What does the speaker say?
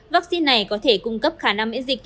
vaccine này có thể cung cấp khả năng miễn dịch